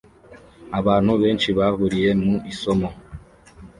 Abantu benshi bahuriye mu isomo